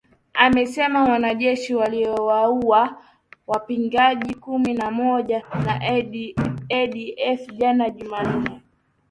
Amesema wanajeshi waliwaua wapiganaji kumi na mmoja wa ADF jana Jumanne